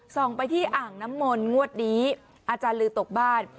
ไปที่อ่างน้ำมนต์งวดนี้อาจารย์ลือตกบ้าน